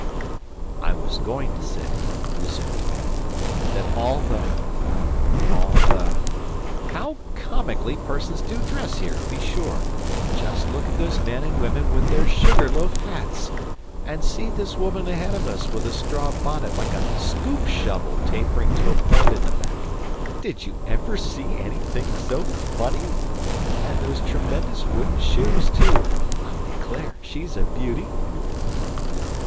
"I was going to say," resumed Ben, "that all the all the how comically persons do dress here, to be sure! Just look at those men and women with their sugarloaf hats. And see this woman ahead of us with a straw bonnet like a scoop shovel tapering to a point in the back. Did ever you see anything so funny? And those tremendous wooden shoes, too I declare, she's a beauty?"